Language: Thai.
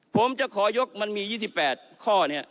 ผมจะขอยกมันมี๒๘ข้อเนี่ย